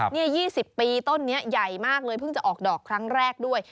นี่๒๐ปีต้นนี้ใหญ่มากเลยเพิ่งจะออกดอกครั้งแรกด้วย